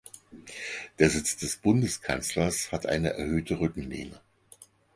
Der Sitz des Bundeskanzlers hat eine erhöhte Rückenlehne.